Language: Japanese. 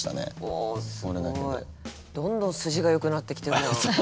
どんどん筋がよくなってきてるやん。